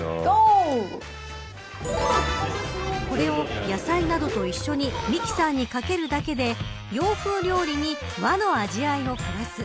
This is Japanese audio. これを、野菜などと一緒にミキサーにかけるだけで洋風料理に和の味わいをプラス。